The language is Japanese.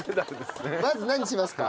まず何しますか？